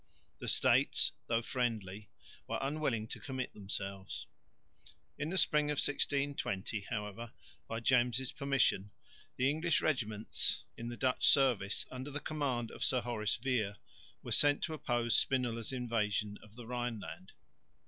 The States, though friendly, were unwilling to commit themselves. In the spring of 1620, however, by James' permission, the English regiments in the Dutch service under the command of Sir Horace Vere were sent to oppose Spinola's invasion of the Rhineland.